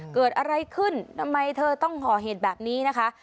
เกิดอะไรขึ้นทำไมเธอต้องก่อเหตุแบบนี้นะคะ